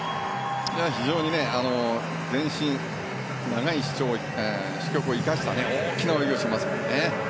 非常に長い四肢を生かした大きな泳ぎをしますね。